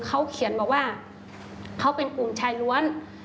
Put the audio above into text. เขาเขียนบอกว่าเขาเป็นกลุ่มชายล้วน